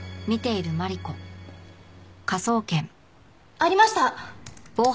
ありました！